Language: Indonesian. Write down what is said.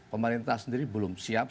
pemerintah sendiri belum siap